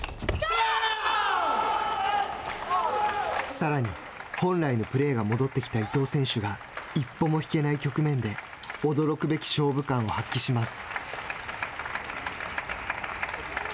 さらに本来のプレーが戻ってきた伊藤選手が一歩も引けない局面で驚くべき勝負勘を発揮します。